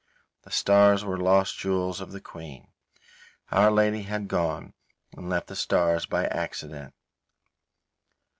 The stars were lost jewels of the Queen. Our Lady had gone and left the stars by accident.